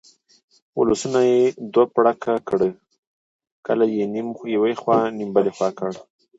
ولسونه یې دوه پړکه کړه، کلي یې نیم یو خوا نیم بلې خوا کړه.